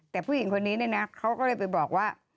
แต่ผู้หญิงคนนี้เนี่ยนะเขาก็เลยไปบอกว่า